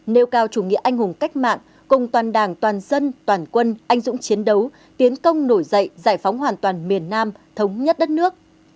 nêu cao chủ nghĩa anh hùng cách mạng cùng toàn đảng toàn dân toàn quân anh dũng chiến đấu tiến công nổi dậy giải phóng hoàn toàn miền nam thống nhất đất nước